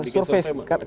survei salah ya